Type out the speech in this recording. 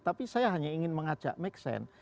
tapi saya hanya ingin mengajak meksen